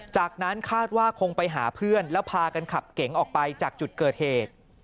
จากนั้นคาดว่าคงไปหาเพื่อนแล้วพากันขับเก๋งออกไปจากจุดเกิดเหตุ